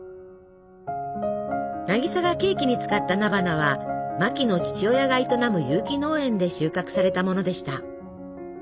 渚がケーキに使った菜花はマキの父親が営む有機農園で収穫されたものでした。